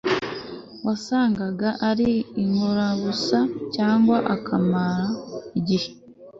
wasangaga ari inkorabusa cyangwa akamara igihe